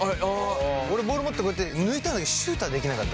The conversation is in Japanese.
俺ボール持って抜いたんだけどシュートはできなかった。